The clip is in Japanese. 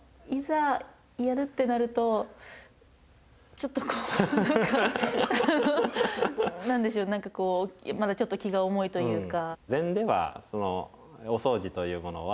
ちょっとこう何か何でしょう何かこうまだちょっと気が重いというか。